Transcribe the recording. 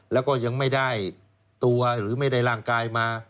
แล้วก็ยังไม่ได้ตัวหรือไม่ได้ร่างกายมา